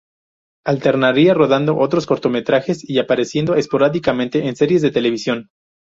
Alternaría rodando otros cortometrajes y apareciendo esporádicamente en series de televisión.